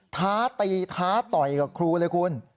ท้าตีท้าต่อยกับคุณ๑๙๖๘